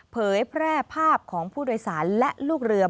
เผยแพร่ภาพของผู้โดยสารและลูกเรือ